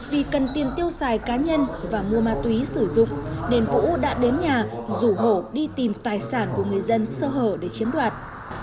vì cần tiền tiêu xài cá nhân và mua ma túy sử dụng nên vũ đã đến nhà rủ hổ đi tìm tài sản của người dân sơ hở để chiếm đoạt